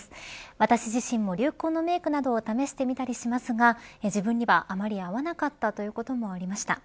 私自身も、流行のメークなどを試してみたりしますが自分にはあまり合わなかったということもありました。